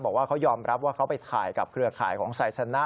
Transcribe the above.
บอกว่าเขายอมรับว่าเขาไปถ่ายกับเครือข่ายของไซสนะ